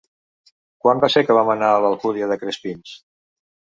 Quan va ser que vam anar a l'Alcúdia de Crespins?